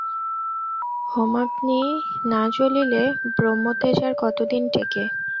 হোমাগ্নি না জ্বলিলে ব্রহ্মতেজ আর কতদিন টেঁকে?